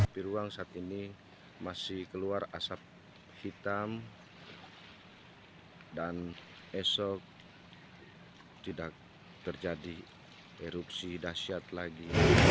di ruang saat ini masih keluar asap hitam dan esok tidak terjadi erupsi dasyat lagi